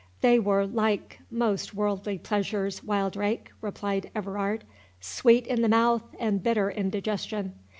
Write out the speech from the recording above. "They were like most worldly pleasures, Wildrake," replied Everard, "sweet in the mouth and bitter in digestion.